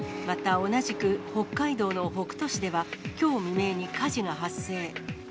また、同じく北海道の北斗市では、きょう未明に火事が発生。